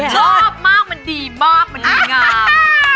คุณชอบมากมันดีมากมันดีงาม